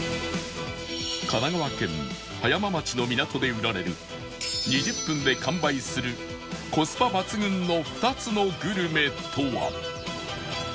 神奈川県葉山町の港で売られる２０分で完売するコスパ抜群の２つのグルメとは？